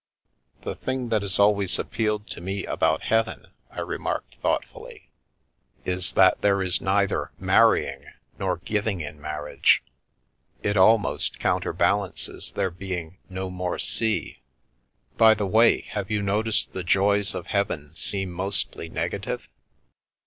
"The thing that has always appealed to me about heaven," I remarked thoughtfully, " is that there is The Milky Way neither marrying nor giving in marriage. It almost counterbalances there being no more sea. By the way, have you noticed the joys of heaven seem mostly neg ative?"